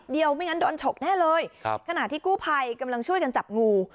ไม่งั้นโดนฉกแน่เลยขณะที่กู้ภัยกำลังช่วยกันจับงู